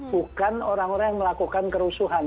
bukan orang orang yang melakukan kerusuhan